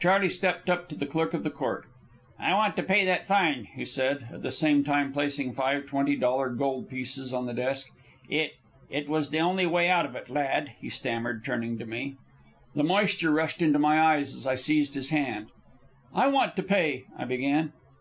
Charley stepped up to the clerk of the court. "I want to pay that fine," he said, at the same time placing five twenty dollar gold pieces on the desk. "It it was the only way out of it, lad," he stammered, turning to me. The moisture rushed into my eyes as I seized his hand. "I want to pay " I began.